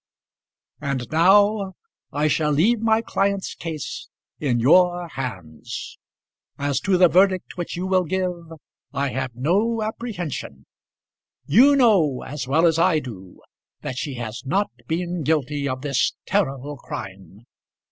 "And now I shall leave my client's case in your hands. As to the verdict which you will give, I have no apprehension. You know as well as I do that she has not been guilty of this terrible crime.